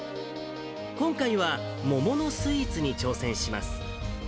今回は桃のスイーツに挑戦します。